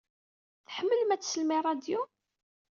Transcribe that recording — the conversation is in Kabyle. Tḥemmlem ad teslem i ṛṛadyu?